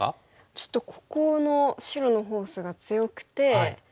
ちょっとここの白のフォースが強くてこの黒